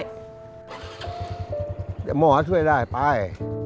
เดี๋ยวหมอช่วยได้ไป